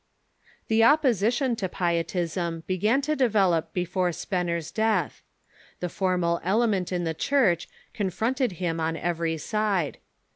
The opposition to Pietism began to develop before Spener's death. The formal element in the Church confronted him on every side.